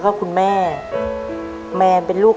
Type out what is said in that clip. บอสสหาร